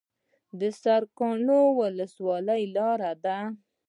سرکانو ولسوالۍ لاره ده؟